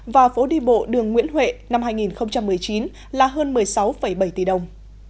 và phố đi bộ đường nguyễn huệ năm hai nghìn một mươi chín là hơn một mươi sáu bảy tỷ đồng